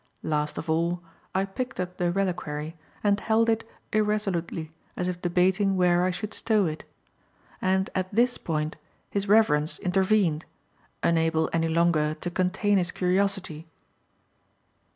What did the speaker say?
Last of all, I picked up the reliquary and held it irresolutely as if debating where I should stow it. And at this point His Reverence intervened, unable any longer to contain his curiosity.